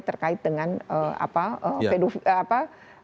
terkait dengan apa